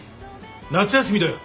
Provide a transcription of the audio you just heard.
夏休みだよ。